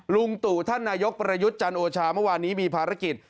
ลุงตู่ท่านนายกประยุทธ์จันโอชาเมื่อวานนี้มีภารกิจ